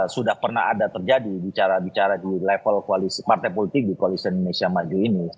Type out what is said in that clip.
sudah pernah ada terjadi bicara bicara di level partai politik di koalisi indonesia maju ini